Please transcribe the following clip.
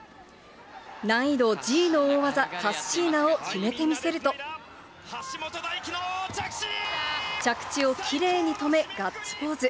難易度Ｇの大技、カッシーナを決めて見せると、着地をきれいに止め、ガッツポーズ。